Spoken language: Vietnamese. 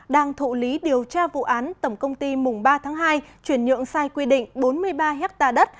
đang thụ lý điều tra vụ án tổng công ty mùng ba tháng hai chuyển nhượng sai quy định bốn mươi ba hectare đất